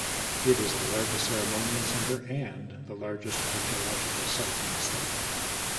It is the largest ceremonial center and largest archeological site in the state.